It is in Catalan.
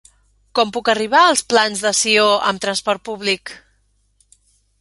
Com puc arribar als Plans de Sió amb trasport públic?